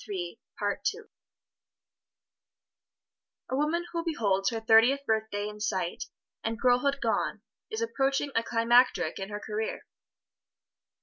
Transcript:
A woman who beholds her thirtieth birthday in sight, and girlhood gone, is approaching a climacteric in her career.